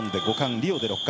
リオで６冠。